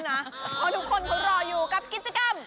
เพราะทุกคนเขารออยู่กับกิจกรรม